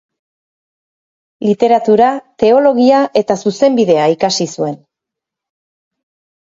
Literatura, teologia eta zuzenbidea ikasi zuen.